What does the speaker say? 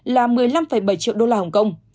là một mươi năm bảy triệu đô la hồng kông